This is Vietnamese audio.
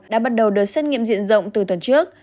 đã bắt đầu đợt xét nghiệm diện rộng từ tuần trước